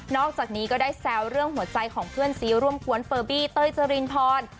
อกจากนี้ก็ได้แซวเรื่องหัวใจของเพื่อนซีร่วมกวนเฟอร์บี้เต้ยเจรินพร